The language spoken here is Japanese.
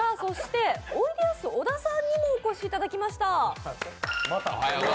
おいでやす小田さんにもお越しいただきました。